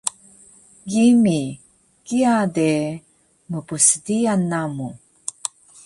Gimi, kiya de mpsdiyal namu